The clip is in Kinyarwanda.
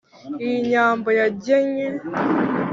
Iyi Nyambo yangennye